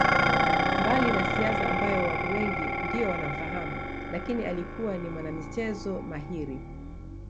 Mbali na siasa ambayo watu wengi ndiyo wanamfahamu lakini alikuwa ni mwanamichezo mahiri